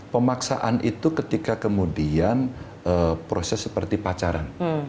pemaksaan itu ketika kemudian proses seperti pacaran